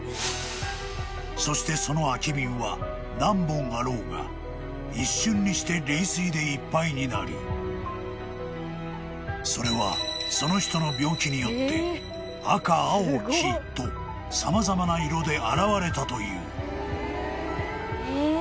［そしてその空き瓶は何本あろうが一瞬にして霊水でいっぱいになりそれはその人の病気によって赤青黄と様々な色で現れたという］え。